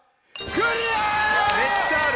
めっちゃある！